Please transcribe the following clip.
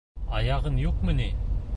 Аяғың юҡмы ни?